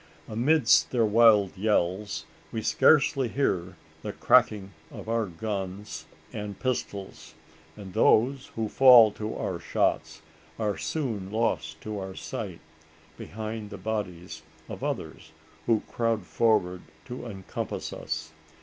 Amidst their wild yells, we scarcely hear the cracking of our guns and pistols; and those who fall to our shots are soon lost to our sight, behind the bodies of others who crowd forward to encompass us.